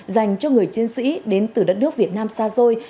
dành cho người chiến sĩ đến từ đất nước việt nam xa xôi